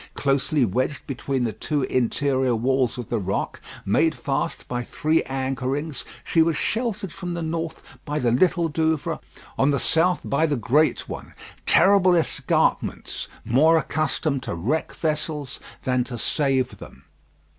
Closely wedged between the two interior walls of the rock, made fast by three anchorings, she was sheltered from the north by the Little Douvre, on the south by the Great one; terrible escarpments, more accustomed to wreck vessels than to save them.